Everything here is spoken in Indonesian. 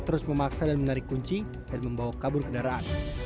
terus memaksa dan menarik kunci dan membawa kabur kendaraan